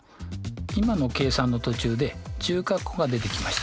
今の計算の途中で中括弧が出てきました。